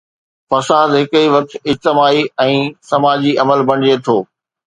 فساد هڪ ئي وقت اجتماعي ۽ سماجي عمل بڻجي ٿو.